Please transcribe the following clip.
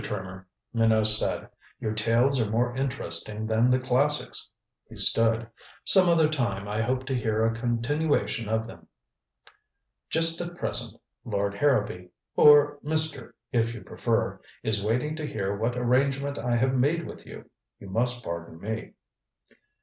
Trimmer," Minot said, "your tales are more interesting than the classics." He stood. "Some other time I hope to hear a continuation of them. Just at present Lord Harrowby or Mr. if you prefer is waiting to hear what arrangement I have made with you. You must pardon me."